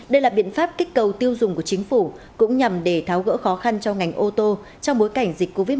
đây là biện pháp kích cầu tiêu dùng của chính phủ cũng nhằm để tháo gỡ khó khăn cho ngành ô tô trong bối cảnh dịch covid một mươi